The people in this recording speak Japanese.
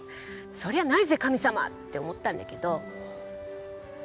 そりゃないぜ神様！って思ったんだけどで